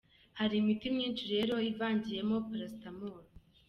Hari imiti myinshi rero ivangiyemo paracetamol:.